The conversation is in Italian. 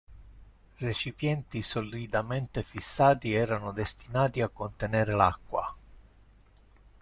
Recipienti solidamente fissati erano destinati a contenere l'acqua.